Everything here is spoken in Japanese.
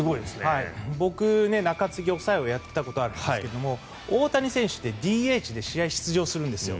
僕、中継ぎ、抑えをやっていたことがあるんですが大谷選手ってＤＨで試合に出場するんですよ。